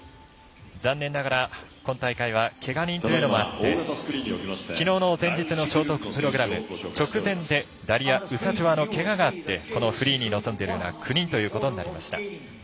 残念ながら今大会はけが人というのもあってきのうの前日のショートプログラム直前でダリア・ウサチョワのけががあってこのフリーに臨むのは９人ということになりました。